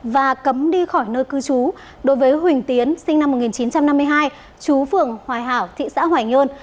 và cấm đi khỏi nơi cư trú đối với huỳnh tiến sinh năm một nghìn chín trăm năm mươi hai chú phường hòa hảo thị xã hoài nhơn